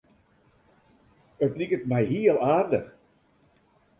It liket my hiel aardich.